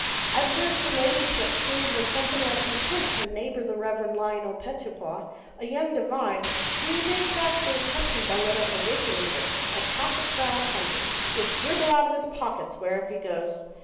I observed her ladyship treated with something like contempt her neighbour the Reverend Lionel Pettipois, a young divine whom you may track through the country by little 'awakening' books at half a crown a hundred, which dribble out of his pockets wherever he goes.